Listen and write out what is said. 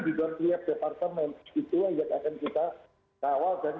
di dalam tiap departemen